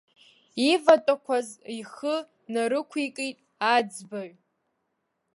Иватәақәаз ихы нарықәикит аӡбаҩ.